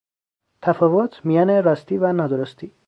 تفاوت میان راستی و نادرستی